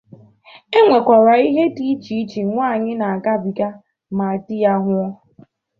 e nwekwàrà ihe dị iche iche nwaanyị na-agabiga ma di ya nwụọ